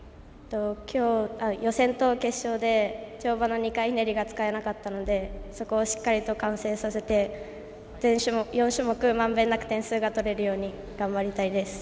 きょう、予選と決勝で跳馬の２回ひねりが使えなかったのでそこをしっかりと完成させて、４種目満遍なく点数が取れるように頑張りたいです。